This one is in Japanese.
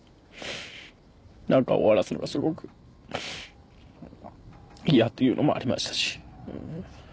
何か終わらすのがすごく嫌っていうのもありましたし。